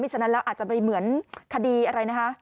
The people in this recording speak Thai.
ไม่เฉพาะแล้วอาจจะไปเหมือนคดีอะไรนะคะ